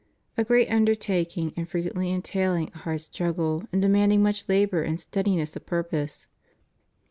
A great undertaking and frequently entailing a hard struggle and demanding much labor and steadiness of purpose.